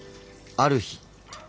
ある日。